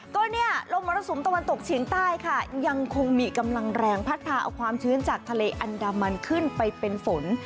ก็เนี่ยลมมรสุมตะวันตกเฉียงใต้ค่ะยังคงมีกำลังแรงพัดพาเอาความชื้นจากทะเลอันดามันขึ้นไปเป็นฝน